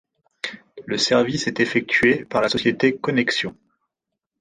Le service est effectué par la société Connexxion.